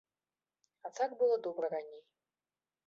А так было добра раней!